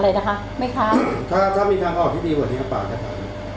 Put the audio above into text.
อะไรนะคะไม่ค้าค่ะถ้ามีทางออกที่ดีกว่านี้ครับปากจะขาย